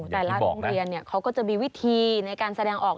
แต่ละโรงเรียนเขาก็จะมีวิธีในการแสดงออก